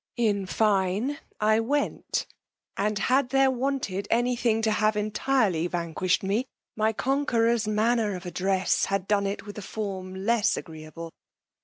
In fine, I went, and had there wanted any thing to have entirely vanquished me, my conqueror's manner of address had done it with a form less agreeable.